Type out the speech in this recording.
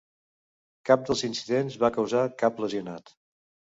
Cap dels incidents va causar cap lesionat.